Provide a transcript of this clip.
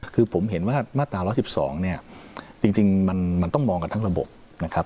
คือผมเห็นว่ามาตรา๑๑๒เนี่ยจริงมันต้องมองกันทั้งระบบนะครับ